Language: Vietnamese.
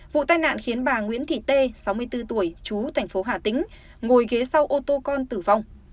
vụ tai nạn khiến bà nguyễn thị tê sáu mươi bốn tuổi chú thành phố hà tĩnh ngồi ghế sau ô tô con tử vong